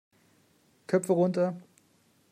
Köpfe runter!